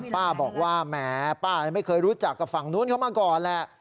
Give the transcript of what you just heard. ป้าบอกว่าแหมป้าไม่เคยรู้จักกับฝั่งนู้นเขามาก่อนแหละ